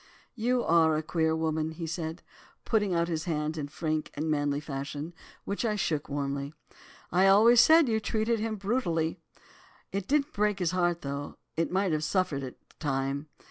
"'You're a queer woman,' said he, putting out his hand in frank and manly fashion, which I shook warmly. 'I always said you treated him brutally. It didn't break his heart, though it might have suffered at the time.